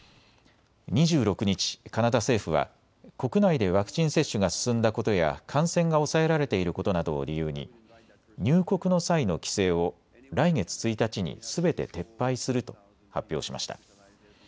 ２６日、カナダ政府は国内でワクチン接種が進んだことや感染が抑えられていることなどを理由に入国の際の規制を来月１日にすべて撤廃すると発表しました。